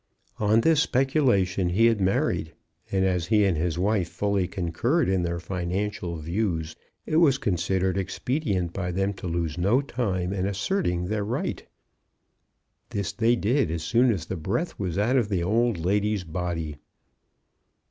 On this speculation he had married; and as he and his wife fully concurred in their financial views, it was considered expedient by them to lose no time in asserting their right. This they did as soon as the breath was out of the old lady's body.